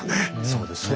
そうですね。